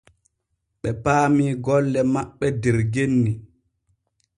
Ɓe paami golle maɓɓe der genni.